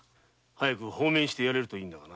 早く放免してやれるといいのだが。